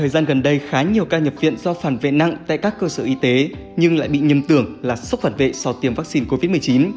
thời gian gần đây khá nhiều ca nhập viện do phản vệ nặng tại các cơ sở y tế nhưng lại bị nhầm tưởng là sức phản vệ sau tiêm vắc xin covid một mươi chín